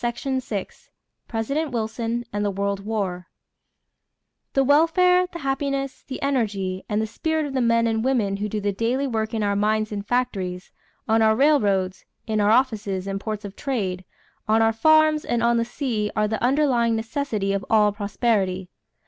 CHAPTER XXV PRESIDENT WILSON AND THE WORLD WAR "The welfare, the happiness, the energy, and the spirit of the men and women who do the daily work in our mines and factories, on our railroads, in our offices and ports of trade, on our farms, and on the sea are the underlying necessity of all prosperity."